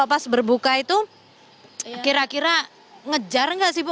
pas berbuka itu kira kira ngejar nggak sih bu